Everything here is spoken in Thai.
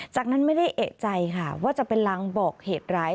จากนั้นไม่ได้เอกใจค่ะว่าจะเป็นลางบอกเหตุร้าย